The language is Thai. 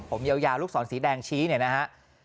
ผมยาวลูกศรสีแดงชี้เนี่ยนะฮะ